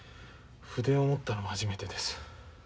筆を持ったのも初めてです。